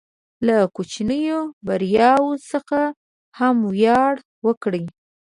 له کوچنیو بریاوو څخه هم ویاړ وکړئ.